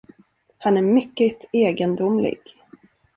Han är mycket egendomlig.